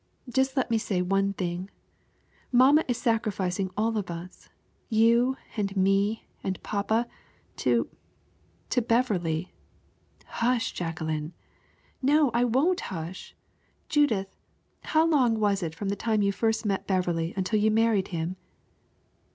"Just let me say one thing. Mamma is sacrificing all of us you and me and papa to to Beverley " "Hush, Jacqueline!" "No, I won't hush. Judith, how long was it from the time you first met Beverley until you married him?"